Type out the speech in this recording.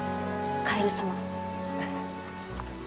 カエル様。